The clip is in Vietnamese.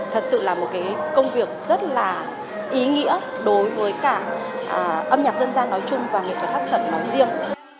thật sự là một cái công việc rất là ý nghĩa đối với cả âm nhạc dân gian nói chung và nghệ thuật hát sẩn nói riêng